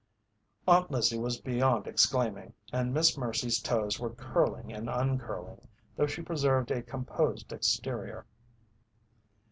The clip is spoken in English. Aunt Lizzie was beyond exclaiming, and Miss Mercy's toes were curling and uncurling, though she preserved a composed exterior.